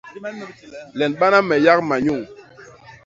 Leñbana me yak manyuñ.